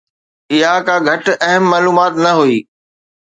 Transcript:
اها ڪا گهٽ اهم معلومات نه هئي.